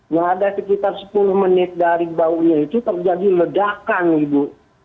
yang ada sekitar sepuluh menit dari baunya itu terjadi ledakan ibu